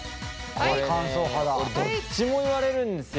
俺どっちも言われるんですよ。